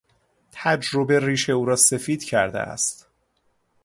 تجربه ریش او را سفید کرده است.